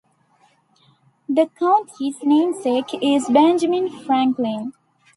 The county's namesake is Benjamin Franklin.